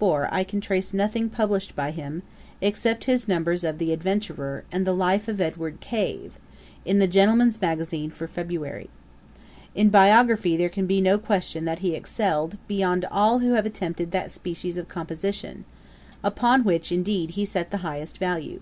45. IN 1754 I can trace nothing published by him, except his numbers of The Adventurer, and 'The Life of Edward Cave,'[*] in the Gentleman's Magazine for February. In biography there can be no question that he excelled, beyond all who have attempted that species of composition; upon which, indeed, he set the highest value.